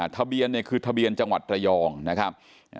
ทะเบียนเนี่ยคือทะเบียนจังหวัดระยองนะครับ